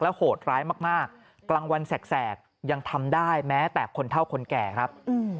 โหดร้ายมากกลางวันแสกยังทำได้แม้แต่คนเท่าคนแก่ครับ